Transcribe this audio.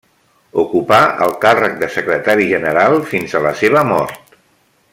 Ocupà el càrrec de secretari general fins a la seva mort.